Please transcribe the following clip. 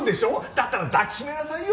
だったら抱き締めなさいよ！